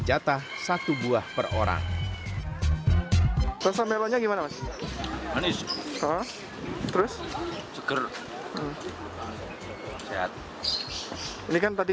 jatah satu buah per orang selesai melalunya gimana manis terus seger lihat ini kan tadi